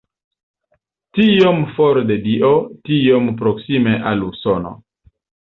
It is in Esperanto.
Tiom for de Dio, tiom proksime al Usono".